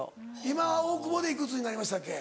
今大久保でいくつになりましたっけ？